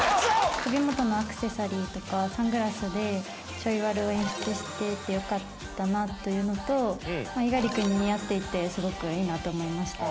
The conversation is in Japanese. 首元のアクセサリーとかサングラスでちょいワルを演出していてよかったなというのと猪狩君に似合っていてすごくいいなと思いました。